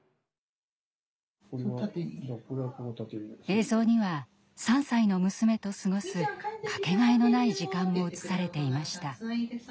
映像には３歳の娘と過ごすかけがえのない時間も映されていました。